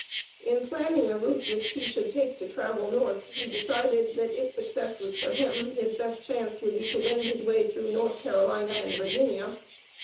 In planning the route which he should take to travel North he decided, that if success was for him, his best chance would be to wend his way through North Carolina and Virginia.